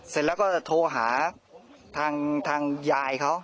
เสร็จแล้วก็โทรหาทางยายเขา